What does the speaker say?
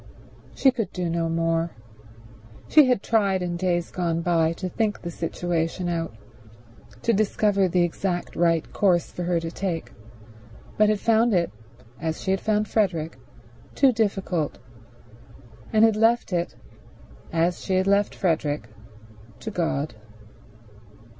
She could do no more. She had tried in days gone by to think the situation out, to discover the exact right course for her to take, but had found it, as she had found Frederick, too difficult, and had left it, as she had left Frederick, to God.